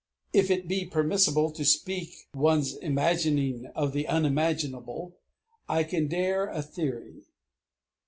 If it be permissible to speak one's imagining of the unimaginable, I can dare a theory.